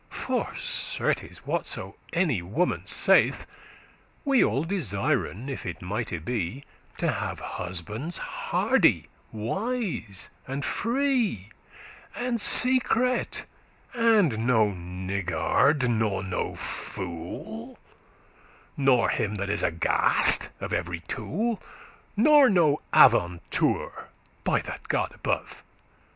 For certes, what so any woman saith, We all desiren, if it mighte be, To have husbandes hardy, wise, and free, And secret,* and no niggard nor no fool, *discreet Nor him that is aghast* of every tool, *afraid rag, trifle Nor no avantour,* by that God above!